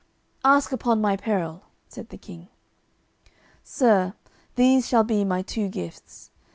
"Ask upon my peril," said the King. "Sir, these shall be my two gifts.